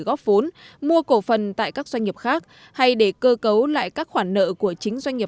góp vốn mua cổ phần tại các doanh nghiệp khác hay để cơ cấu lại các khoản nợ của chính doanh nghiệp